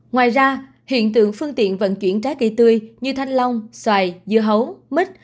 ngoài ra hiện tượng phương tiện vận chuyển trái cây tươi như thanh long xoài dưa hấu mít